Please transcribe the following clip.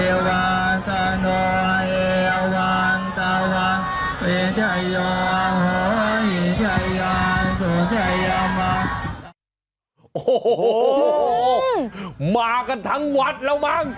โอ้โหมากันทั้งวัดแล้วมั้ง